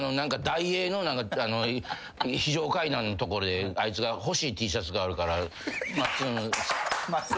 ダイエーの非常階段のところであいつが欲しいＴシャツがあるから。